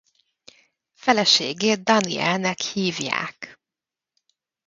Feleségét Danielle-nek hívják.